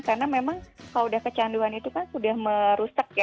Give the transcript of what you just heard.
karena memang kalau sudah kecanduan itu kan sudah merusak ya